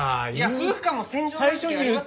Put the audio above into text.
夫婦間も戦場になる時あります。